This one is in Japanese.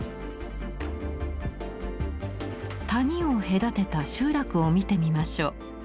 谷を隔てた集落を見てみましょう。